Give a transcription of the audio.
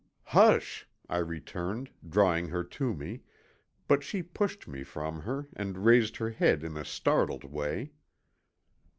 "Hush," I returned, drawing her to me, but she pushed me from her and raised her head in a startled way.